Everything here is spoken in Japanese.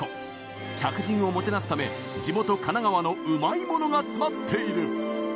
客人をもてなすため地元神奈川のウマイものが詰まっている。